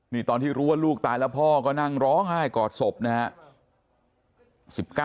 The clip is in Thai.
นี่ตอนที่รู้ว่าลูกตายแล้วพ่อก็นั่งร้องไห้กอดศพนะครับ